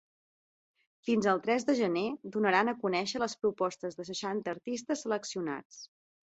Fins al tres de gener, donaran a conèixer les propostes de seixanta artistes seleccionats.